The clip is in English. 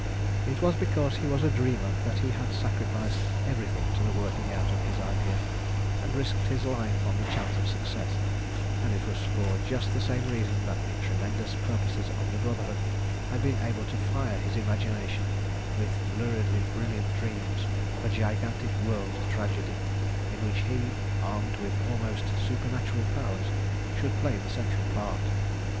It was because he was a dreamer that he had sacrificed everything to the working out of his ideal, and risked his life on the chance of success, and it was for just the same reason that the tremendous purposes of the Brotherhood had been able to fire his imagination with luridly brilliant dreams of a gigantic world tragedy in which he, armed with almost supernatural powers, should play the central part.